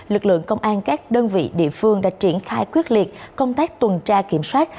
lực lượng công an các đơn vị địa phương đã triển khai quyết liệt công tác tuần tra kiểm soát